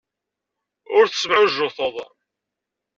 Ur tettemɛujjuteḍ.